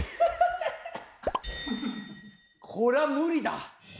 これは無理だ。